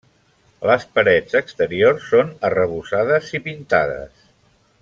Les parets exteriors són arrebossades i pintades.